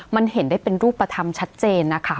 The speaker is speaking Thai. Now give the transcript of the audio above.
มันเห็นได้เป็นรูปธรรมชัดเจนนะคะ